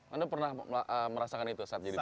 anda pernah merasakan itu saat jadi